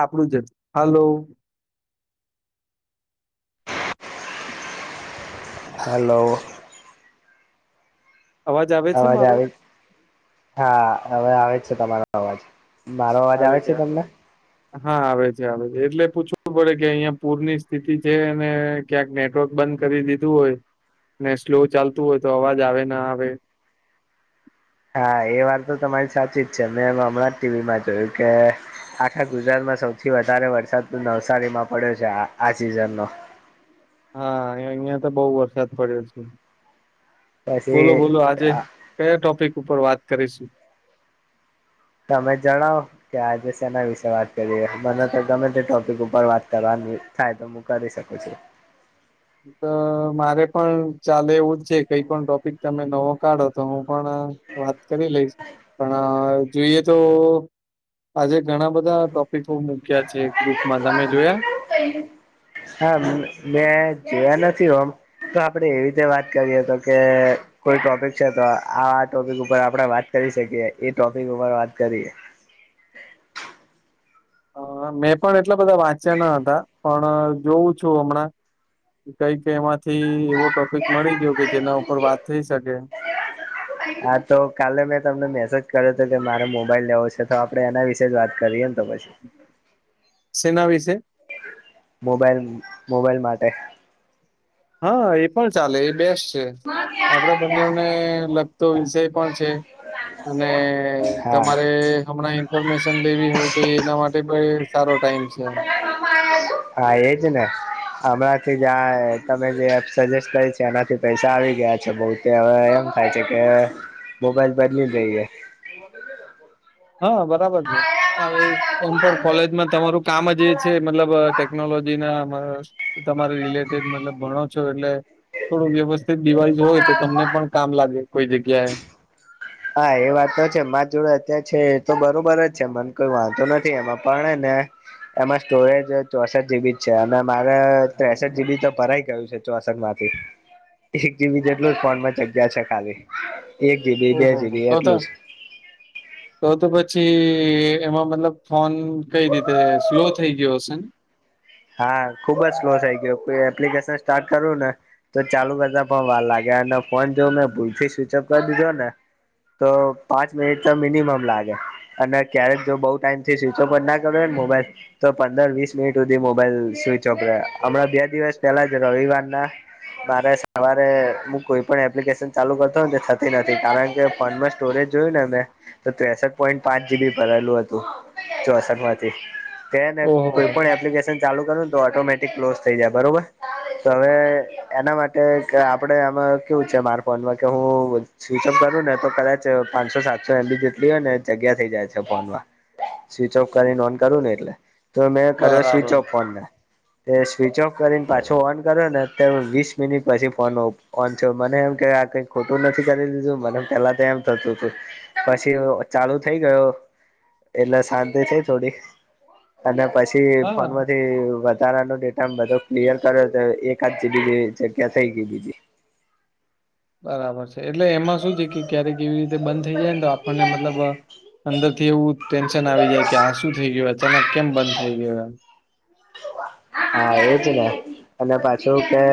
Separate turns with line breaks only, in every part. આપડું જજ hello.
Hello.
આવે છે
અવાજ
મારો
આવે છ, હા હવે આવે છે તમારો અવાજ. મારો અવાજ
આવે છે હા.
તમને
હા આવે છે આવે છે, એટલે પૂછવું પડે કે અહિયાં પૂર ની સ્થિતિ છે એને ક્યાંક નેટવર્ક બંધ કરી દીધું હોય, ને સ્લો ચાલતું હોય તો અવાજ આવે ના આવે.
હા, એ વાત તો તમારી સાચી જ છે. મેંમ હમણાં જ ટી વીમાં જોયું કે આખા ગુજરાતમાં સૌથી વધારે વરસાદ નવસારીમાં પડ્યો છે આ-આ સિઝન નો.
હા, એ અહિયાં તો બહું વરસાદ પડ્યો છે.
પછી
બોલો-બોલો આજે કયા ટોપિક ઉપર વાત કરીશું?
તમે જણાવો. કે આજે સેના વિશે વાત કરીએ, મને તો ગમે તે ટોપિક ઉપર વાત કરવાની થાય તો હું કરી શકું છું.
એમ તો મારે પણ ચાલે એવુંજ છે, કંઈ પણ ટોપિક તમે નવો કાઢો તો હું પણ વાત કરી લઈશ. પણ જોઈએ તો આજે ઘણા બધા ટોપિકો મૂક્યા છે ગ્રુપ
હા. મેં જોયા નથી ઓમ તો આપડે એવી રીતે વાત કરીએ તો કે કોઈ ટોપિક છે, તો આવા ટોપિક ઉપર આપણે વાત કરી શકીએ, એ ટોપિક ઉપર વાત કરીએ.
હા, હા મેં પણ એટલા બધા વાંચ્યા ન હતા, પણ જોવું છું હમણાં કંઈક એમાંથી એવો ટોપિક મળી ગયો કે જેના ઉપર વાત થઈ શકે
હા તો કાલે મેં તમને મેસેજ કર્યો હતો કે મારે મોબાઈલ લેવો છે તો આપણે એના વિશે જ વાત કરીએ ને તો પછી
સેના વિશે
મોબાઈલ મોબાઈલ માટે
હા એ પણ ચાલે એ બેસ્ટ છે આપણા બંને ઓને લગતો વિષય પણ છે અને
હા
તમારે હમણાંએ ઇફોર્મેશન લેવી હોય તો એના માટે સારો ટાઈમ છે એમ
હા એજને હમણાંથી આ તમે જે એપ સજેસ્ટ કરી છે એનાથી પૈસા આવી ગયા છે બોઉ કે અવે એમ થાય છે કે મોબાઈલ બદલી એ
હા બરાબર છે અવે એમ પણ કોલેજમાં તમારું કામ જ એ છે મતલબ ટેકનોલોજી ના તમારે રિલેટેડ મતલબ ભણો છો એટલે થોડું વ્યવ દિવાઈસ હોય તો તમને પણ કામ લાગે કોઈ જગ્યાએ
હા એ વાત તો છે મારા જોડે અત્યારે છે એ તો બરોબર જ છે મને કોઈ વાંધો નથી એમાં પણ ને એમાં સ્ટોરેજ ચોસઠ જીબી જ છે અને મારે ત્રેસઠ જીબી તો ભરાય ગયું છે ચોસ માંથી એક જી બી જેટલું જ ફોનમાં જગીયા છે ખાલી એક જી બી બે
ઓહોહો તો
જીબી એટલું જ
તો તો તો પછી એમાં મતલબ ફોન કઈ રીતે સ્લો થઈ ગીયો હશે ને
હા ખુબ જ સ્લો થઈ ગયયો એપ્લિકેશન સ્ટાર્ટ કરવું ને તો ચાલુ કરતા પણ વાર લાગે અને ફોન જો મેં ભૂલથી સ્વિચઅપ કરી દીધો ને તો પાંચ મિનિટ તો મિનિમમ લાગે અને ક્યારેક જો બોવ ટાઈમ થી સ્વિચ ઓપ ના કર્યોને મોબાઈલ તો પંદર વીસ મિનટ બે મોબાઈલ સ્વીચ ઓફ હમણાં બે દિવસ પેલા જ રવિવાર ના મારે સવારે હું કોઈ પણ એપ્લિકેશન ચાલુ કરતોને થતી નથી કારણ કે ફોન સ્ટોરેજ [unintelligible] તો ત્રેસઠ પોઈન્ટ પાંચ જી બી ભરેલું હતું ચોસઠ માંથી છે ને
ઓહો
કોઈ
હો!
પણ એપ્લિક ચાલું કરુંને તો ઓટોમેટિક ક્લોઝ થઈ જાય બરોબર તો અવે એના માટે આપડે આમાં કેવું છે મારા ફોનમાં કે હું સ્વિચઓફ કરવું ને તો કદાચ પાંચસો સાતસો એમ બી જેટલી હોય ને જગ્યા થઈ જાય છે ફોનમાં સ્વિચ ઓફ કરીને ઓન કરુ ને એટલે તો મેં કર્યો સ્વિચ
બરાબર
ફોન ને એ સ્વિચ ઓફ કરીને પાછો ઓન કર્યો ને તેમ વીસ મિનિટ પછી ફોન ઓફ ઓ છો મને એમ કે આ કઈ ખોટું નથી કરી લીધું મને પેલા તો એમ થતું હતું પછી ચાલુ થઈ ગયો એટલે શાંતિ થઈ થોડી અને પછી
હા
ફોનમાં વધારા નો ડેટા બધો ક્લિયર કર્યો તો એકાદ જી બી જગ્યા થઇ ગઈ બીજી
બરાબર છે એટલે એમાં શું છે, કે ક્યારેક કેવી રીતે બંધ થઈ જાય ને તો આપણને મતલબ અંદર થી એવું ટેન્શન આવી જાય કે આ શું થઈ ગયું અચાનક કેમ બંધ થઈ ગયો
હા એજ ને અને પાછું કે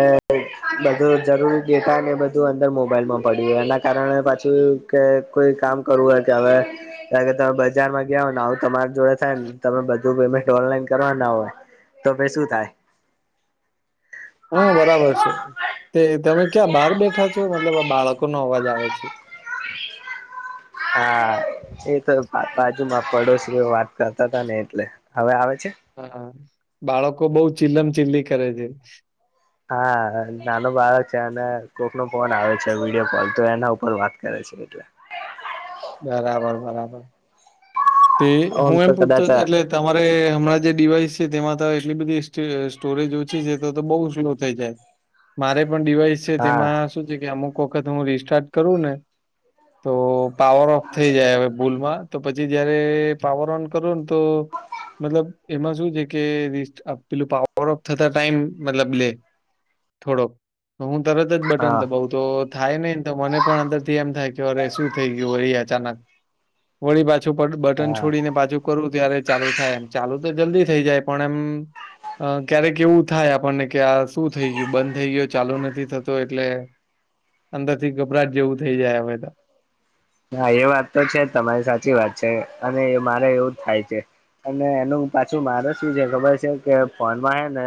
બધું જરૂરી ડેટા ને બધું અંદર મોબાઈલમાં પડ્યું એના કારણે પાછું કે કોઈ કામ કરું હ ક્યાવે કારણ કે તમે બજારમાં ગયા હો ને આવું તમારી જોડે થાય ને તમે બધું પેમેન્ટ ઓનલાઈન કરવા ના હોય તો ભાઈ શું થાય
હા બરાબર છે, તે તમે ક્યાં બહાર બેઠા છો? મતલબ આ બાળકો નો અવાજ આવે છે.
હા હા એ તો બાજુમાં પડોશી વાત કરતા હતાા ને એટલે હવે આવે છે.
હા બાળકો બઉ ચીલમ ચીલી કરે છે.
હા નાનો બાળક છે, અને કોક ન ફોન આવે છે, વિડીયો કોલ તો એના ઉપર વાત કરે છે, એટલે
બરાબર બરાબર તે
ઓમ
હું
તો
એમ પૂછતો
કદાચ હા
એટલે તમારે હમણાં જે ડિવાઈસ છે, તેમાં તો એટલી બધી સ્ટોરેજ ઓછી છે, તો તો બઉુ સ્લો થઈ જાય. મારે પણ ડિવાઈસ
હા
તેમાં શું છે, કે અમુક વખત હું રિસ્ટાર્ટ કરું ને તો પાવર ઓફ થઈ જાય હવે ભૂલમાં તો પછી જયારે પાવર ઓન કરો ને તો મતલબ એમાં શું છે, કે પેલું પાવર ઓફ થતા ટાઈમ મતલબ લે થોડોક હું તરત જ બટન
હા
દ બ તો થાય નહી તો મને પણ અંદર થી એમ થાય કે અરે શું થઈ ગયુ, એ અચાનક વળી પાછું બટન છોડીને પાછુ કરું ત્યારે ચાલુ થાય એમ ચાલુ તો જલ્દી થઈ જાય પણ એમ અ ક્યારેક એવું થાય આપણને કે આ શું થઈ ગયુ, બંધ થઈ ગયું ચાલુ નથી થતો એટલે અંદર થી ગભરાટ જેવું થઈ જાય હવે
હા એ વાત તો છે, તમારી સાચી વાત છે, અને મારે એવું થાય છે. અને એનું પાછું માર શું છે, ખબર છે, કે ફોનમાં હ ને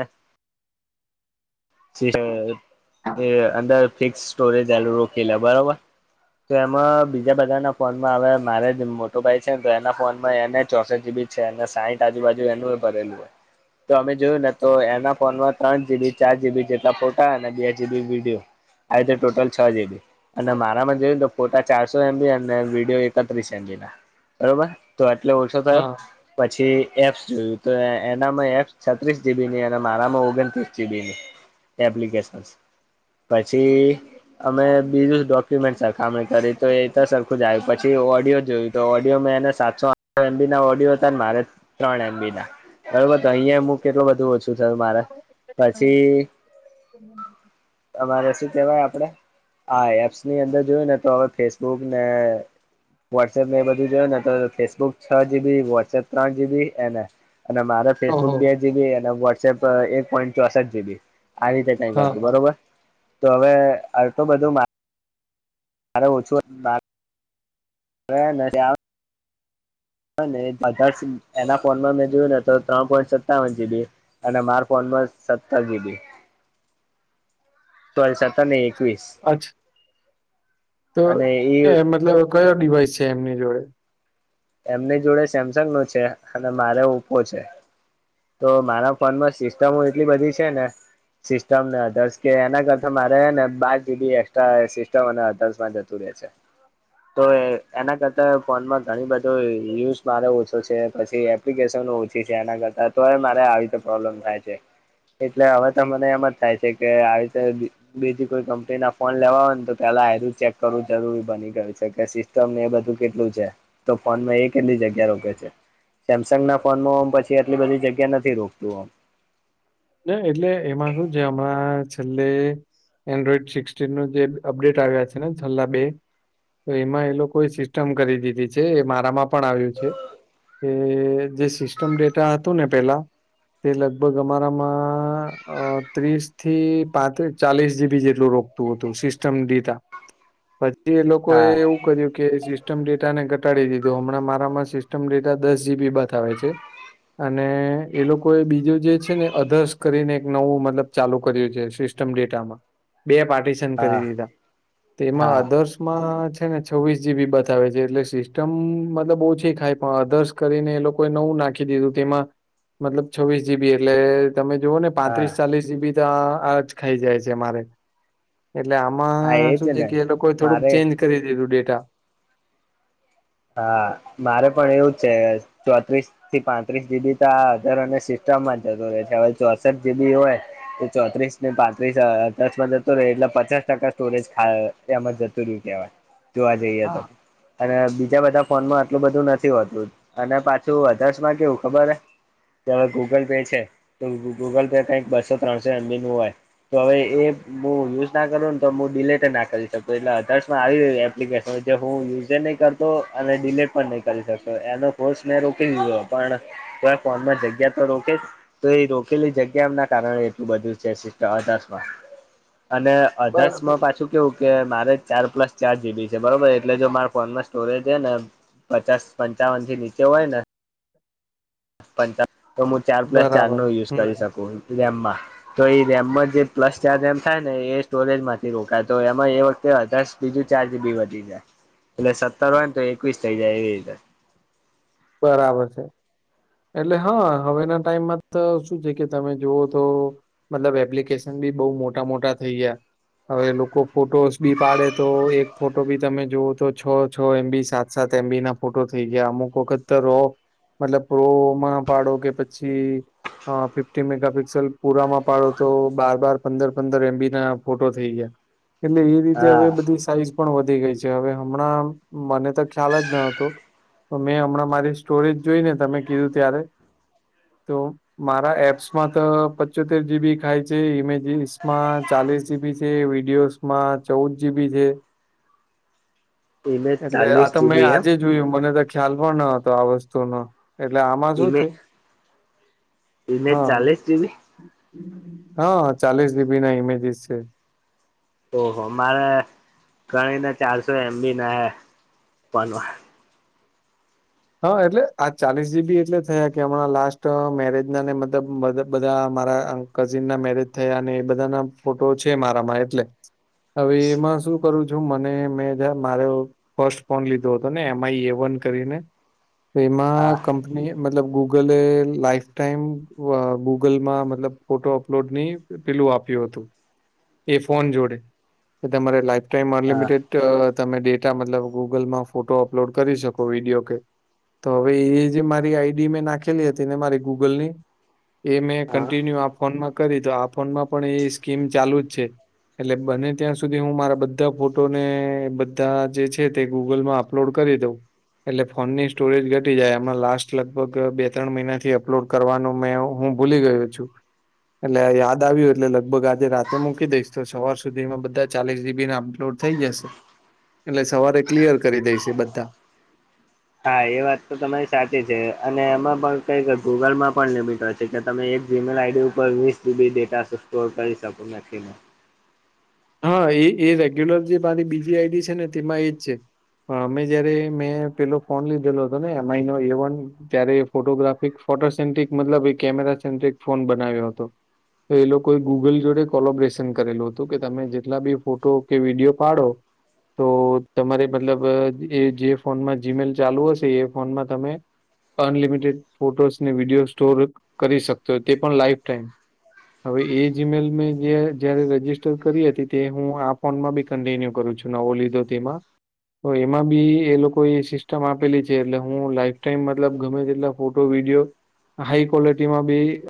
અંદર ફિક્સ સ્ટોરેજુ રોકેલા બરોબર તો એમાં બીજા બધાના ફોનમાં હવે મારે જ મોટો ભાઈ છે, ને તો એના ફોનમાં એને ચોસેટ જીબી છે, અને સાઈઠ આજુબજુ એનુંય ભરેલું હોય. તો અમે જોયું ને તો એના ફોનમાં ત્રણ જીબી ચાર જીબી. ફોટા અને બે જીબી વિડીયો આ ટોટલ છ જીબી. અને મારામાં જોયું તો ફોટા ચારસો એમબી અને વિડીયો એકત્રીસ એમબી ના બરોબર તો એટલે ઓછો થયો.
હા
પછી એપ્સ જોયું તો એનામાં એપ્સ છત્રીસ જીબીની અને મારામાં ઓગણત્રીસ જીબીની. એપ્લિક પછી અમે બીજુ સરખામણી કરી તો એ તો સરખું જ આવ્યું પછી ઓડિયો જોયું તો ઓડિયો મેં એને સાચો એમબી ના ઓડિયો હતા ને મારે ત્રણ એમબી ના બરોબર અહિયાં હું કેટલું બધું ઓછું થ મારા પછી અરે શું કેવાય આપડે હા એપ્સ ની અંદર જોયું ને તો હવે ફેસબુક ને વોટ્સએપ એ બધું જોય ને તો ફેસબુક છ જીબી વોટ્સએપ ત્રણ જીબી એ અને મારે ફેસબુક
ઓહો
બે જીબી અને વોટ્સએપ એક પોઈન્ટ ચોસઠ જીબી આ રીતે ન
હા
કરતું
હા
બરોબર તો હવે આટું બધુ અરે ઓછુ હ ન નેધ એના ફોનમાં મેં જોયું ને તો ત્રણ પોઈન્ટ સત્તાવન જીબી અને માર ફોન સત્તર જીબી. તલ્સ હતા ન એકવીસ
અચ્છા તો એ મતલબ કયો ડિવાઈસ છે, એમની જોડે.
એમની જોડે સેમસંગનુ છે, અને મારે ઓપો છે. તો મારા ફોનમાં સિસ્ટમો એટલી બધી છેને. સિસ્ટમ ને અધર્સ કે એના કરતા મારેને બાર જીદી એક્સ્ટ્રા સિસ્ટમ અને અધર્સમાં જતું રહે. તો એના કરતા ફોનમાં ઘણી બધી તો યુઝ મારે ઓછો છે, પછી એપ્લિકેશન ઓછી છે એના કરતા તો મારે આવી. પ્રોબ્લેમ થાય છે એટલે હવે તો મને એમ જ થાય છે કે આવી રીતે બીજી કોઈ કંપની ના ફોન લેવા હોયને તો પેલા હેરું ચેક કરવું જરૂરી બની ગય છે. તમને એ બધું કેટલું છે તો ફોનમાં એ કેટલી જગ્યા રોકે છે. સેમસંગ ના ફોન માંમ પછી એટલી બધી જગ્યા નથી રોકતુંમ
ના એટલે એમાં શું છે, હમણાં છેલ્લે. એન્ડ્રોઈડ સિક્સન ન જે અપડેટ આવ્યા છેને, છેલ્લા બે તો એમાં એ લોકો સિસ્ટમ કરી દીધી છે એ મારામાં પણ આવ્યું છે. એ જે સિસ્ટમ ડેટા હતું ને પેલા તે લગભગ અમારા. ત્રીસ થી પાંત્રી ચાલીસ જીબી જેટલું રોગતું હતું સિસ્ટમ ડેટા. પછી એ લોકો એ
હા
એવું. શું કર્યું કે સિસ્ટમ ડેટા ને ઘટાડી દીધો હમણાં મારામાં સિસ્ટમ ડેટા દસ જીબી બ થવે છે. અને એ લોકો એ બીજું જે છે. અધર્શ કરીને એક નવું મતલ ચાલુ કર્યું છે સિસ્ટમ ડેટામાં બે પાર. કરી
હા
દીધા તેમા
હા
ઓથ્ર્સ. માં છે ને છવ્વીસ જીબી બતાવે છે એટલે સિસ્ટમ મતલબ બહુ છે ખાય પણ અધર્સ. કરીને એ લોકોએ નવું નાખી દીધું તેમાં મતલબ છવ્વીસ જીબી. એટલે તમે જુઓ ને
હા
પાંત્રીસ ચાલીસ બી આજ ખાઈ જાય છે અમારે. એટલે
હા
આમાં
એજ
શું છે
ને
કે એ લોકોએ થોડુંક
મારે
ચેન્જ કરી દીધું ડેટા.
હા મારે પણ એવું છે ચોત્રીસ. થી પાંત્રીસ જીબી તો આ હાર અને સિસ્ટમમાં જત રહે છે હવે ચોસઠ જીબી હોય. ચોત્રીસ ને પાંત્રીસ દસમાં જતો રહે એટલે પચાસ ટકા સ્ટોરેજ. એમાં જતું રહ્યું કેવાય, જોવા જઈએ તો
હા
અને. બીજા બધા ફોન માં આટલું બધું નથી હોતું અને પાછું અધર્શ માં કેવું ખબર હ. વે ગૂગલ પે છે તો ગૂગલ પે કઈક બસો ત્રણસો એબી નું હોય. તો હવે એ હું યુઝ ના કરું ને તો હું ડિલેટ ના કરી શકતો એટલે આધર્શમાં આવી એપ્લિકેશન. જે હું યઝ નહી કરતા. અને ડડીલેટ પણ નહી કરી શક એનો કોર્સ મેને રોકી દીધો પણ. તોઈ ફોન માં જગ્યા તો રોકે. તો એ રોકેલી જગ્યા એમના કારણે એટલું બધું છે અને.
બરાબર
અધર્સમાં પાછું કેવું કે મારે ચાર પ્લસ ચાર જીબી છે બરોબર એટલે જો મારા ફોનમાં. સ્ટોરેજ ને પચાસ પંચાવન થી નીચે હોય ને. પચ તો હું ચાર પ્લસ ચાર
બરાબર
નો યુઝ કરી
હમ
શકું ગેમ માં. તો એ રેમમાં જે પ્લસ ચાર રેમ થાય ને એ સ્ટોરેજ માંથી રોકાય તો એમાં એ વખતે. બીજું ચાર થી બી વધી જાય એટલે સત્તર હોય ને તો એકવીસ થઈ જાય એવી રીતે.
બરાબર છે. એટલે હા હવેના ટાઈમમાં તો શું છે કે તમે જોુઓ તો. મતલબ એપ્લિકેશન બી બહુ મોટા મોટા થઈ ગયા. હવે લોકો ફોટોસ બી પાડે તો એક ફોટો બી તમે જોવો તો છ છ એમ બી સાથે. સાત એમબી ના ફોટો થઈ ગયા અમુક વખત. તો રો મતલબ રો માં પાડો કે પછી. હ ફિફ્ટી મેગાપિક્સલ પુરામાં પાડો તો બાર બાર પંદર પંદર એમબી ના ફોટો થઈ ગયા. એટલે એ રીતે હવે
હા
બધી સાઈઝ. પણ વધી ગઈ છે હવે હમણાં મને તો ખ્યાલ જ ન હતો મેં હમણાં. રી સ્ટોરેજ જોઈને તમે કીધું ત્યારે તો. મારા એપ્સમાં તો પચોતેર જીબી ખાય છે ઇમેજસ માં ચાલીસ જીબી છે વિડીયોસ માં ચૌદ જીબી છે
ઇમેજ
એટલે
ચાલીસ
આ તો મેં
જીબી એમ
આજે જોયું મને તો ખ્યાલ પણ ન હતો આ વસ્તુનો એટલે આમાં શું
ઈમે
થ
ઇમેજ
હા
ચાલીસ જીબી
હા ચાલીસ ડીબી ના ઇમેજીસ છે
ઓહો મારે ગણીને ચારસો એમ બી નાન
હા એટલે આ ચાલીસ જીબી એટલે થયા કે હમણાં લાસ્ટ મેરેજ ના ને મતલબ બધા મારા કઝિન ના મેરેજ થયા અને એ બધાના ફોટો છે મારામાં એટલે હવે એમાં શું કરું છું મને મેં જ મારે ફર્સ્ટ ફોન લીધો હતો ને એમ આઈ એ વન કરીને
હા
એમાં ક મતલબ ગૂગલે લાઈફ ટાઈમ ગૂગલ માં મતલબ ફોટો અપલોડ ની પેલું આપ્યું હતું એ ફોન જોડે કે તમારે લાઈ ટાઈમમાં
હા
અનલિમિટેડ તમે ડેટા મતલબ ગૂગલ માં ફોટો અપલોડ કરી શકો વિડીયો કે તો હવે એ જે મારી આઈડી મેં નાખેલી હતી ને મારી ગૂગલ ની એ મેં
હા
કન્ટિન્યુ આ ફોનમાં કરી તો આ ફોનમાં પણ એ સ્કીમ ચાલુ જ છે. એટલે બને ત્યાં સુધી હું મારા બધા ફોટોને બધા જે છે તે ગૂગલ માં અપ લોડ કરી દઉં એટલે ફોનની સ્ટોરેજ ઘટી જાય એમાં લાસ્ટ લગભગ બે ત્રણ મહિનાથી અપલોડ કરવાનું મેં હું ભૂલી ગયું હતું. [unintelligible] એટલે યાદ આવ્યું એટલે લગભગ આજે રાતે મૂકી દઈશ તો સવાર સુધીમાં બધા ચાલીસ જીબી ના અપલોડ થઈ જશે એટલે સવારે ક્લિયર કરી દેશે બધા
હા એ વાત તો તમારી સાચી છે અને એમાં પણ કઈ ક ગૂગલમાં પણ લિમિટ હોય છે. કે તમે એક જીમેલ આઈડી ઉપર વીસ જીબી ડેટા સ્ટોર કરી શકો નથી.
હા એ રેગ્યુલર જે મારી બીજી આઈડી છે ને તેમાં એજ છે. મે જયારે મેં પેલો ફોન લીધેલો હતો ને એમાઈ નો એ વન ત્યારે ફોટોગ્રાફિક ફોટો સન્ટ્રિક મતલબ એ કેમેરા સેન્ટ્રિક ફોન બનાવ્યો હતો. એ લોકોએ ગૂગલ જોડે કોલોબ્રેશન કરેલું હતું કે તમે જેટલા બી ફોટો કે વિડીયો પાડો તો તમારે મતલબ એ જે ફોનમાં જીમેલ ચાલુ હશે એ ફોનમાં તમે અનલિમિટેડ ફોટોસ ને વિડીયો સ્ટોર કરી શકતો હોય તે પણ લાઈફ ટાઈમ. હવે એ જીઈમેલ જયારે રજી ટર કરી હતી તે હું આ ફોનમાં બી કન્ટીન્યુ કરું છું નવો લીધો તેમાં તો એમાં બી એ લોકો એ સિસ્ટમ આપેલી છે એટલે હું લાઈફ ટાઈમ મતલબ ગમે તેટલા ફોટો વિડીયો હાઈ ક્વલિટીમાં બી